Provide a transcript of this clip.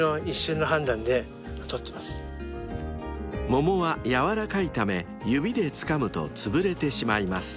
［桃は柔らかいため指でつかむとつぶれてしまいます］